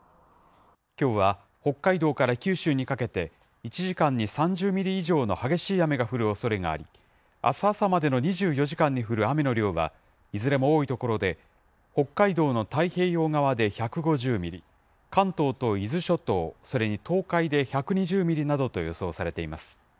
きょうは北海道から九州にかけて、１時間に３０ミリ以上の激しい雨が降るおそれがあり、あす朝までの２４時間に降る雨の量は、いずれも多い所で北海道の太平洋側で１５０ミリ、関東と伊豆諸島、それに東海で１２０ミリなどと予想されています。